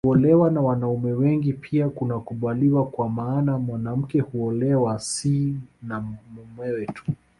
Kuolewa na wanaume wengi pia kunakubaliwa kwa maana mwanamke huolewa si na mumewe tu